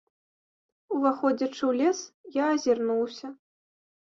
Уваходзячы ў лес, я азірнуўся.